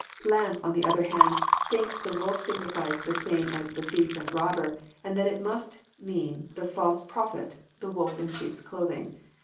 Lampe, on the other hand, thinks that the wolf signifies the game as the thief and robber, and that it must mean the false prophet, the wolf In sheep's clothing.